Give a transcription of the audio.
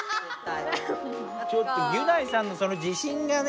ギュナイさんのその自信がね。